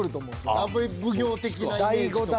鍋奉行的なイメージとか。